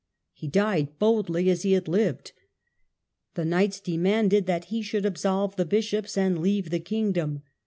He died boldly, as he had lived. The knights demanded that he should absolve the bishops and leave the kingdom.